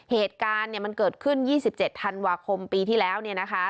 เหตุการณ์เนี่ยมันเกิดขึ้น๒๗ธันวาคมปีที่แล้วเนี่ยนะคะ